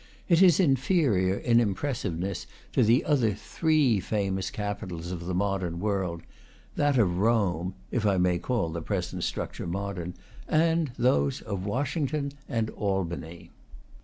It is inferior in impressiveness to the other three famous Capitols of the modern world, that of Rome (if I may call the present structure modern) and those of Washington and Albany!